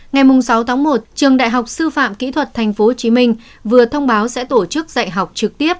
ngày sáu tháng một trường đại học sư phạm kỹ thuật tp hcm vừa thông báo sẽ tổ chức dạy học trực tiếp